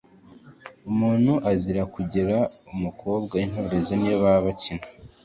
Umuntu azira kugera umukobwa intorezo niyo baba bakina,